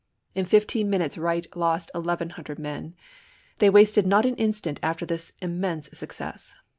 In fifteen minutes Wright lost eleven hundred men. They wasted not an instant after this immense success.